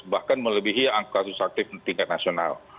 bahkan melebihi angka kasus aktif tingkat nasional